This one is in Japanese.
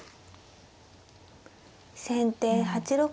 先手８六角。